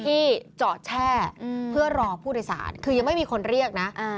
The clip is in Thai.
ที่จอดแช่เพื่อรอผู้โดยสารคือยังไม่มีคนเรียกนะ